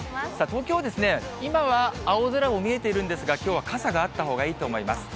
東京は、今は青空も見えているんですが、きょうは傘があったほうがいいと思います。